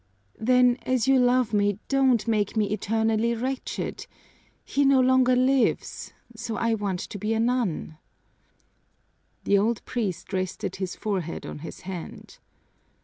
"Then, as you love me, don't make me eternally wretched. He no longer lives, so I want to be a nun!" The old priest rested his forehead on his hand.